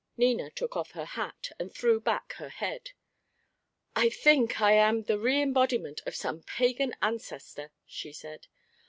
Nina took off her hat, and threw back her head. "I think I am the re embodiment of some pagan ancestor," she said.